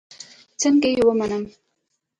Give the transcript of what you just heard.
څنگه يې ومنم.